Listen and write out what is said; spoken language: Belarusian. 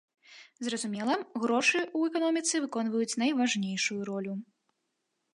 Зразумела, грошы ў эканоміцы выконваюць найважнейшую ролю.